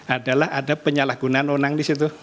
adalah ada penyalahgunaan unang di situ